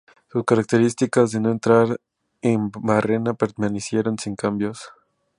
Sus características de no entrar en barrena permanecieron sin cambios.